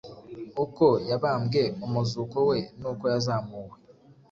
uko yabambwe, umuzuko we n’uko yazamuwe